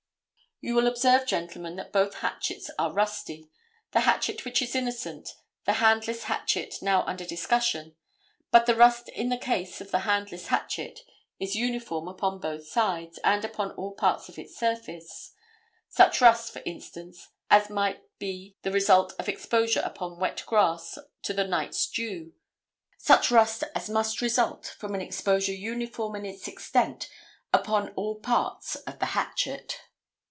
You will observe, gentlemen, that both hatchets are rusty, the hatchet which is innocent, the handless hatchet now under discussion, but the rust in the case of the handless hatchet is uniform upon both sides and upon all parts of its surface, such rust, for instance, as might be the result of exposure upon wet grass to the night's dew, such rust as must result from an exposure uniform in its extent upon all parts of the hatchet.